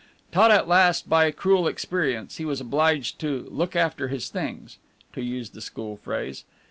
Taught at last by cruel experience, he was obliged to "look after his things," to use the school phrase.